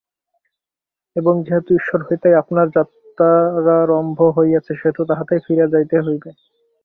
এবং যেহেতু ঈশ্বর হইতেই আপনার যাত্রারম্ভ হইয়াছে, সেহেতু তাঁহাতেই ফিরিয়া যাইতে হইবে।